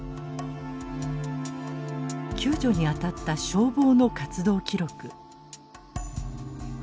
救助に当たった消防の活動記録。